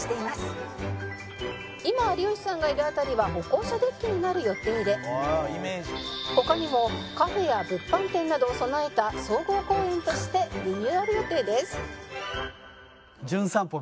今有吉さんがいる辺りは歩行者デッキになる予定で他にもカフェや物販店などを備えた総合公園としてリニューアル予定です